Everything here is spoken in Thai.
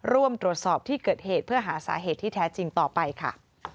ร่วมตรวจสอบที่เกิดเหตุเพื่อหาสาเหตุที่แท้จริงต่อไปค่ะ